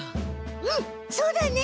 うんそうだね。